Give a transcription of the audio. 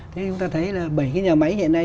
thế chúng ta thấy là bảy cái nhà máy hiện nay